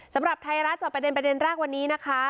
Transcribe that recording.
สำหรับไทยรัฐจอบประเด็นประเด็นแรกวันนี้นะคะ